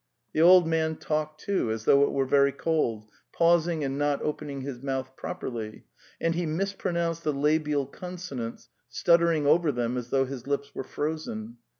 The old man talked, too, as though it were very cold, pausing and not opening his mouth properly; and he mispronounced the labial consonants, stutter ing over them as though his lips were frozen.